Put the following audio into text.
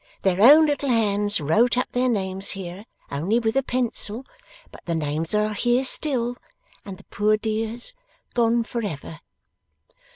Their own little hands wrote up their names here, only with a pencil; but the names are here still, and the poor dears gone for ever.